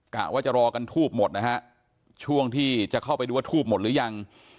กะว่าจะรอกันทูบหมดนะฮะช่วงที่จะเข้าไปดูว่าทูบหมดหรือยัง